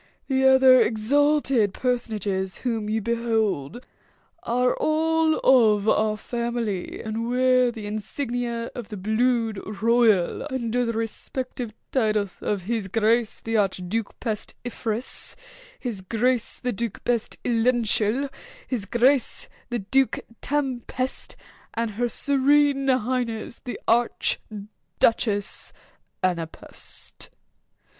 The other exalted personages whom you behold are all of our family, and wear the insignia of the blood royal under the respective titles of 'His Grace the Arch Duke Pest Iferous'—'His Grace the Duke Pest Ilential'—'His Grace the Duke Tem Pest'—and 'Her Serene Highness the Arch Duchess Ana Pest.